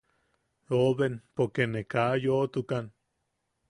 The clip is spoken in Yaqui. Oben poke ne ka yoʼotukan.